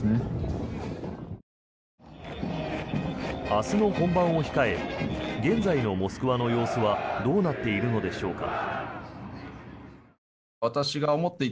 明日の本番を控え現在のモスクワの様子はどうなっているのでしょうか。